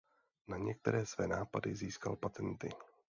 Na některé své nápady získal patenty.